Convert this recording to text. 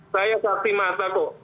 saya saksi mata kok